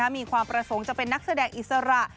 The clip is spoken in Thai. มีความประสงค์จะเป็นนักแสดงอิสระ